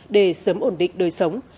để sớm ổn định đời sống